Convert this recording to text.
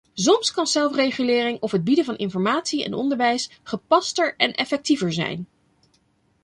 Soms kan zelfregulering of het bieden van informatie en onderwijs gepaster en effectiever zijn.